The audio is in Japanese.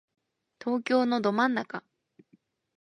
東京のど真ん中